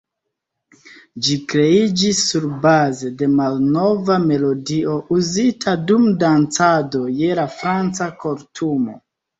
Ĝi kreiĝis surbaze de malnova melodio uzita dum dancado je la Franca kortumo.